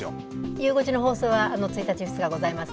ゆう５時の放送は１日、２日ございます。